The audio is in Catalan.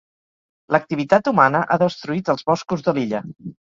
L'activitat humana ha destruït els boscos de l'illa.